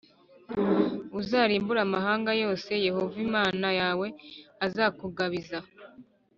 Uzarimbure amahanga yose Yehova Imana yawe azakugabiza,